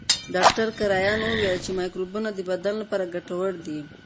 ډاکټر کرایان وویل چې مایکروبونه د بدن لپاره ګټور دي.